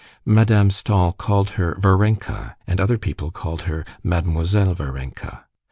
Madame Stahl called her Varenka, and other people called her "Mademoiselle Varenka."